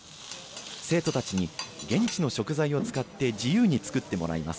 生徒たちに現地の食材を使って自由に作ってもらいます。